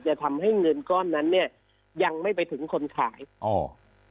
จะทำให้เงินก้อนนั้นเนี้ยยังไม่ไปถึงคนขายอ๋อ